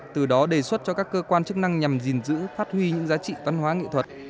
từ đó đề xuất cho các cơ quan chức năng nhằm gìn giữ phát huy những giá trị văn hóa nghệ thuật